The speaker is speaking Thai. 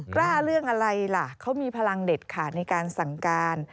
เรื่องอะไรล่ะเขามีพลังเด็ดขาดในการสั่งการ